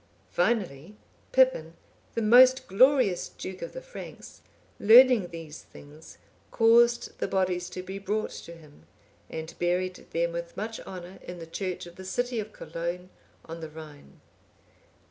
Finally, Pippin, the most glorious duke of the Franks, learning these things, caused the bodies to be brought to him, and buried them with much honour in the church of the city of Cologne, on the Rhine.